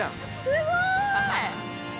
◆すごーい。